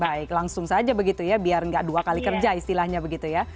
baik langsung saja begitu ya biar nggak dua kali kerja istilahnya begitu ya